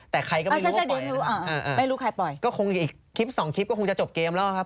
แต่ใครก็ไม่รู้ว่าไม่รู้ใครปล่อยก็คงอีกคลิปสองคลิปก็คงจะจบเกมแล้วครับ